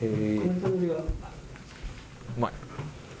うまい。